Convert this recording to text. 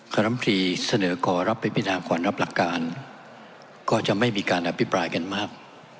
กรมฤทธิ์เสนอก่อรับปริพินาควรรับหลักการก็จะไม่มีการอภิปรายกันมาก